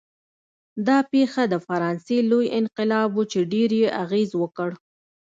دا پېښه د فرانسې لوی انقلاب و چې ډېر یې اغېز وکړ.